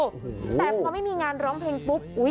แต่พอไม่มีงานร้องเพลงปุ๊บอุ๊ย